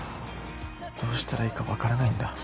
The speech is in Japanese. どうしたらいいか分からないんだ